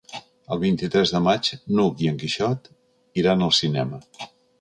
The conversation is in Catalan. El vint-i-tres de maig n'Hug i en Quixot iran al cinema.